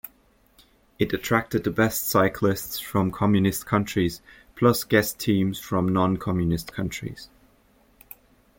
It attracted the best cyclists from communist countries, plus guest teams from non-communist countries.